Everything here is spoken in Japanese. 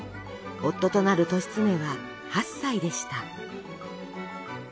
夫となる利常は８歳でした。